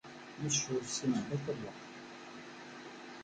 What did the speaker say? Nec ul ssineɣ batta d lweqt.